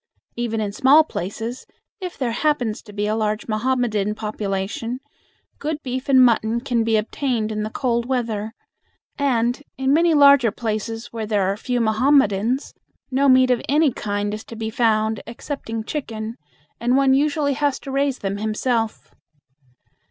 Even in small places, if there happens to be a large Mohammedan population, good beef and mutton can be obtained in the cold weather, and in many larger places where there are few Mohammedans no meat of any kind is to be found excepting chicken, and one usually has to raise them himself.